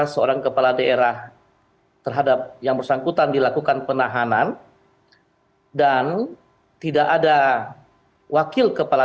seorang kepala daerah terhadap yang bersangkutan dilakukan penahanan dan tidak ada wakil kepala